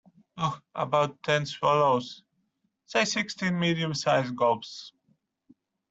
Oh, about ten swallows; say sixteen medium-sized gulps.